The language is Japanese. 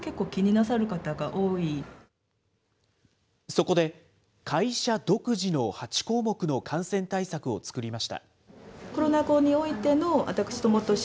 そこで、会社独自の８項目の感染対策を作りました。